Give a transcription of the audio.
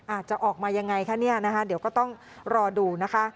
อาจจะออกมายังไงคะเนี่ยนะคะเดี๋ยวก็ต้องรอดูนะคะ